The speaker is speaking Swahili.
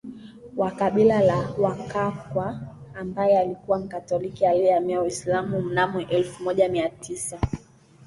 wa kabila la Wakakwa ambaye alikuwa Mkatoliki aliyehamia Uislamu mnamo elfu moja Mia tisa